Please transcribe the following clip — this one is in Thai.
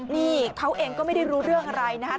นี่เขาเองก็ไม่ได้รู้เรื่องอะไรนะครับ